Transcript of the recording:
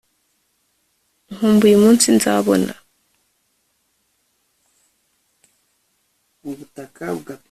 Nkumbuye umunsi nzabona